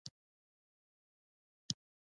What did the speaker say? زجاجیه له زلالیې سره پرتله کړئ.